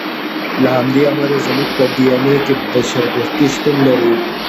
له همدې امله زموږ په ډي اېن اې کې بشر دوستي شتون لري.